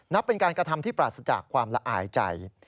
นับเป็นการกระทำที่ปราศจากความละอายใจ